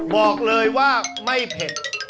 บอกเลยว่าไม่เผ็ด